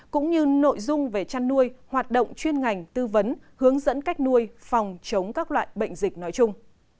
cũng như nội dung về chăn nuôi hoạt động chuyên ngành tư vấn hướng dẫn cách nuôi phòng chống các loại bệnh dịch nói chung